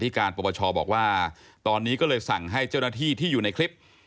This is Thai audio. การปรปชบอกว่าตอนนี้ก็เลยสั่งให้เจ้าหน้าที่ที่อยู่ในคลิป